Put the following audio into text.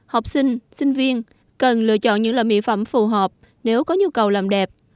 học sinh sinh viên cần lựa chọn những loại mỹ phẩm phù hợp nếu có nhu cầu làm đẹp